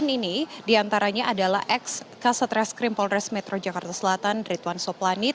sembilan ini diantaranya adalah ex kasat reskrim polres metro jakarta selatan ritwan soplanit